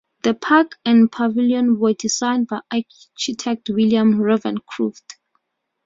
The park and pavilion were designed by architect William Ravencroft.